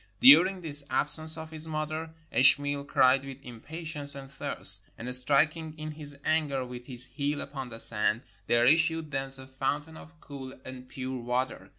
During this absence of his mother, Ishmael cried with impatience and thirst, and striking in his anger with his heel upon the sand, there issued thence a fountain of cool and pure water.